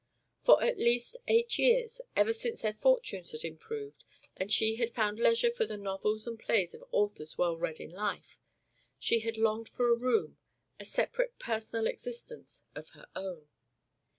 For at least eight years, ever since their fortunes had improved and she had found leisure for the novels and plays of authors well read in life, she had longed for a room, a separate personal existence, of her own.